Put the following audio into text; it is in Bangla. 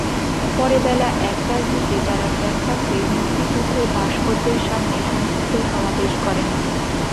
পরে বেলা একটার দিকে তাঁরা ক্যাম্পাসে মুক্তিযুদ্ধের ভাস্কর্যের সামনে সংক্ষিপ্ত সমাবেশ করেন।